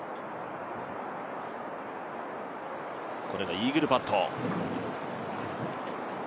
これがイーグルパット。